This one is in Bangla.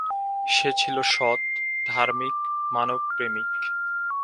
সে ছিল সৎ, ধার্মিক, মানব প্রেমিক।